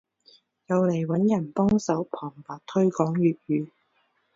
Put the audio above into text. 又嚟揾人幫手旁白推廣粵語